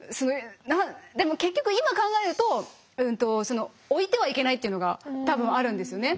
でも結局今考えると置いてはいけないっていうのが多分あるんですよね。